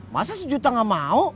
masa sejuta gak mau